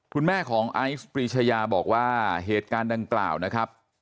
คุณแม่ของไอซ์ปรีชายาบอกว่าเหตุการณ์ดังกล่าวนะครับ